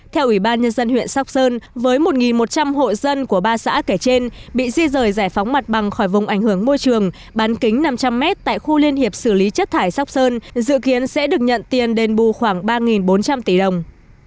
theo ủy ban nhân dân huyện sóc sơn với một một trăm linh hộ dân của ba xã kể trên bị di rời giải phóng mặt bằng khỏi vùng ảnh hưởng môi trường bán kính năm trăm linh m tại khu liên hiệp xử lý chất thải sóc sơn dự kiến sẽ được nhận tiền đền bù khoảng ba bốn trăm linh tỷ đồng